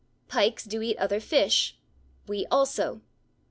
Pikes do eat other fish; we also.